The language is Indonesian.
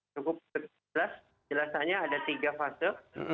cukup jelasannya ada tiga fase